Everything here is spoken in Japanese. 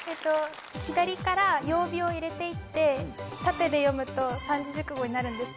左から曜日を入れていって縦で読むと三字熟語になるんです